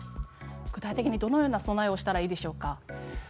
具体的にどのような備えをしたらよいでしょうか。